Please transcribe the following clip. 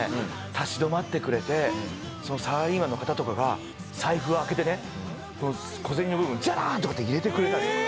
立ち止まってくれてサラリーマンの方とかが財布開けてね小銭の部分ジャラーッて入れてくれたりとか。